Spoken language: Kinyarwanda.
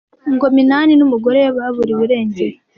Ngo Minani n’umugore we baburiwe irengero.